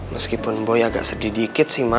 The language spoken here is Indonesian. meskipun boy agak sedikit sedikit sih ma